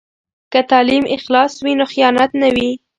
که تعلیم اخلاص وي، نو خیانت نه وي.